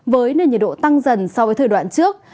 với nền nhiệt độ tăng dần so với thời đoạn trước